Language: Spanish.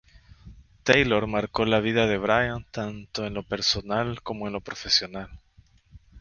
Taylor marcó la vida de Brian tanto en lo personal como en lo profesional.